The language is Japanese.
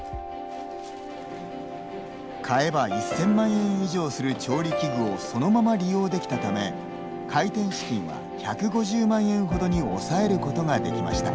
買えば１０００万円以上する調理器具をそのまま利用できたため開店資金は１５０万円ほどに抑えることができました。